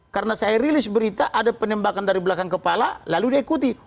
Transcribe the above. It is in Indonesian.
karena saya rilis berita ada penembakan dari belakang kepala lalu dia ikuti